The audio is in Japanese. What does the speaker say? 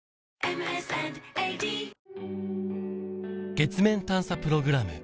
月面探査プログラム